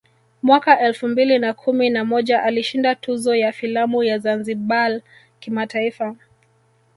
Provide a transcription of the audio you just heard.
Mwaka elfu mbili na kumi na moja alishinda tuzo ya filamu ya ZanzibarI kimataifa